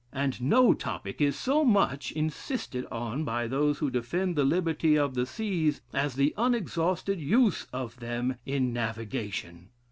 And no topic is so much insisted on by those who defend the liberty of the seas, as the unexhausted use of them in navigation.